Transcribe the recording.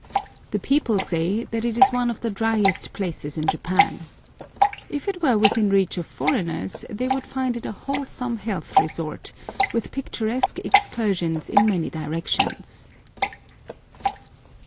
The people say that it is one of the driest places in Japan. If it were within reach of foreigners, they would find it a wholesome health resort, with picturesque excursions in many directions.